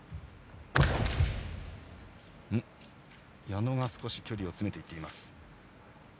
矢野が少し距離を詰めています。